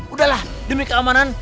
udahlah demi keamanan